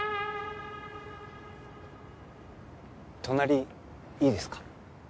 隣いいですか？